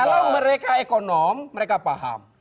kalau mereka ekonom mereka paham